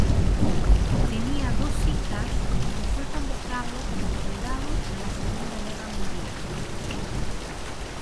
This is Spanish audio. Tenía dos hijas cuando fue convocado como soldado en la Segunda Guerra Mundial.